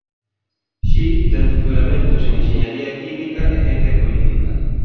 Xi ten doutoramentos en enxeñaría química e ciencia política.